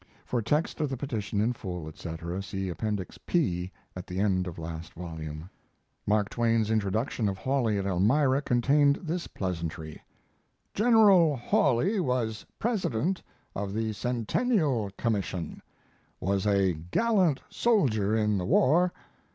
[For text of the petition in full, etc., see Appendix P, at the end of last volume.] Mark Twain's introduction of Hawley at Elmira contained this pleasantry: "General Hawley was president of the Centennial Commission. Was a gallant soldier in the war.